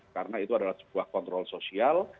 karena itu adalah sebuah kontrol sosial